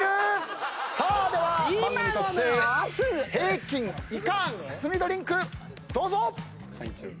さあでは番組特製平均以下スミドリンクどうぞ！